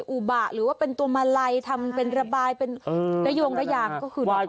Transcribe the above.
อุบะหรือว่าเป็นตัวมาลัยทำเป็นระบายเป็นระยงระยางก็คือน้อย